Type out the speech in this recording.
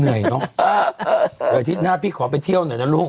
อาทิตย์หน้าพี่ขอไปเที่ยวหน่อยนะลูก